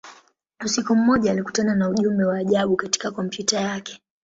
Usiku mmoja, alikutana ujumbe wa ajabu katika kompyuta yake.